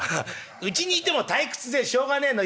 うちにいても退屈でしょうがねえの。